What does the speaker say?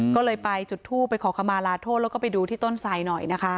ก็เลยไปจุดทูปไปขอขมาลาโทษแล้วก็ไปดูที่ต้นไสหน่อยนะคะ